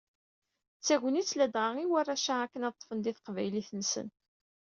D tagnit ladɣa i warrac-a akken ad ṭṭfen di teqbaylit-nsen.